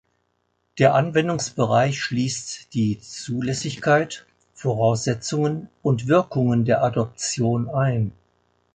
Der Anwendungsbereich schließt die Zulässigkeit, Voraussetzungen und Wirkungen der Adoption ein.